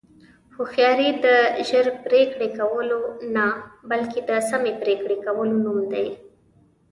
هوښیاري د ژر پرېکړې کولو نه، بلکې د سمې پرېکړې کولو نوم دی.